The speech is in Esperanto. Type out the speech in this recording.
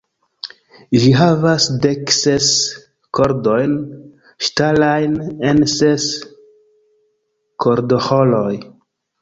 Ĝi havas dekses kordojn ŝtalajn en ses kordoĥoroj.